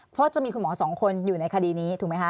เพราะจะมีคุณหมอสองคนอยู่ในคดีนี้ถูกไหมคะ